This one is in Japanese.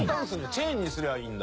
チェーンにすりゃいいんだ。